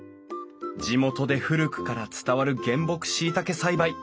地元で古くから伝わる原木しいたけ栽培。